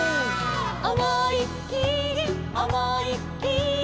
「おもいっきりおもいっきり」